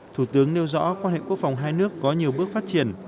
thủ tướng nêu rõ quan hệ quốc phòng hai nước có nhiều bước phát triển